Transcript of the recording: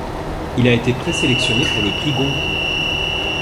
Il a été présélectionné pour le prix Goncourt.